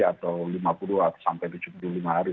atau lima puluh atau sampai tujuh puluh lima hari